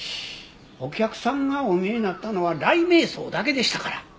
お客さんがお見えになったのは雷冥荘だけでしたから。